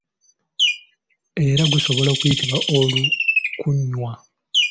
Era gusobola okuyitibwa olukuunwa.